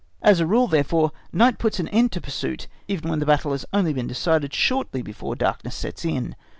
As a rule, therefore, night puts an end to pursuit, even when the battle has only been decided shortly before darkness sets in.